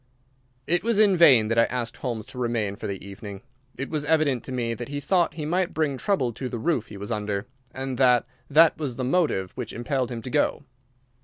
It was in vain that I asked Holmes to remain for the evening. It was evident to me that he thought he might bring trouble to the roof he was under, and that that was the motive which impelled him to go.